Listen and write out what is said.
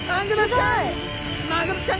マグロちゃん。